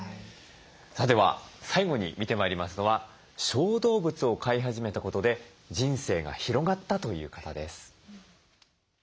では最後に見てまいりますのは小動物を飼い始めたことで人生が広がったという方です。